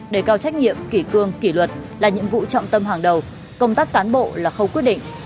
để cao trách nhiệm kỷ cương kỷ luật là nhiệm vụ trọng tâm hàng đầu công tác cán bộ là khâu quyết định